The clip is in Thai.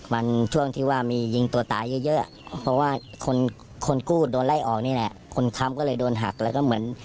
มันช่วงที่ว่ามียิงตัวตายเยอะเยอะเพราะว่าคนคนกู้โดนไล่ออกนี่แหละคนค้ำก็เลยโดนหักแล้วก็เหมือน